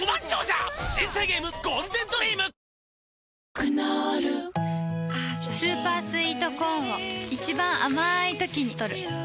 クノールスーパースイートコーンを一番あまいときにとる